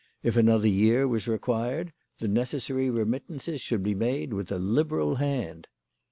If another year was required, the necessary remittances should be made with a liberal hand.